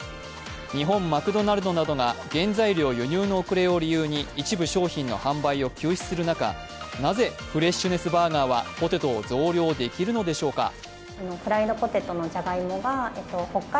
日本マクドナルドなどが原材料輸入の遅れを理由に一部商品の販売を休止する中なぜフレッシュネスバーガーはポテトを増量できるのでしょうか。